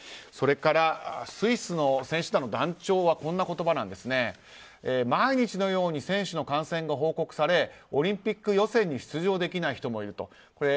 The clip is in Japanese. それからスイスの選手団の団長は毎日のように選手の感染が報告されオリンピック予選に出場できない人もいると。